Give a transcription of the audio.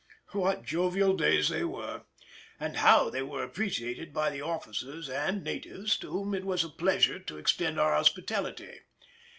What jovial days they were, and how they were appreciated by the officials and natives, to whom it was a pleasure to extend our hospitality.